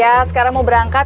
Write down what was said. ya sekarang mau berangkat